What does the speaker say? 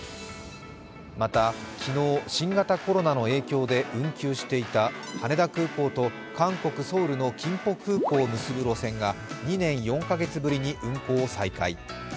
また、昨日、新型コロナの影響で運休していた羽田空港と韓国・ソウルのキンポ空港を結ぶ路線が２年４カ月ぶりに運航を再開。